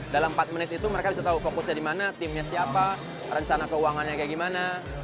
dalam empat menit itu mereka bisa tahu fokusnya di mana timnya siapa rencana keuangannya kayak gimana